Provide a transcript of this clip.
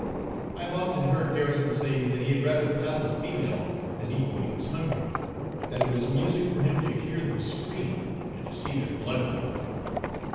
I have often heard Garrison say, that he had rather paddle a female, than eat when he was hungry that it was music for him to hear them scream, and to see their blood run.